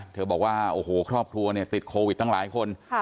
บอกว่าโอ้โหครอบครัวเนี่ยติดโควิดตั้งหลายคน